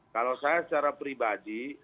kalau saya secara pribadi